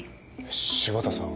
柴田さん